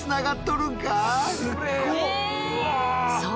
そう！